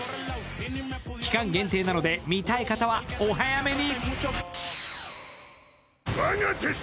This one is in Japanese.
期間限定なので、見たい方はお早めに！